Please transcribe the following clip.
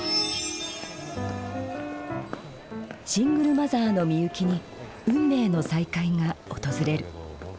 シングルマザーのミユキに運命の再会が訪れる。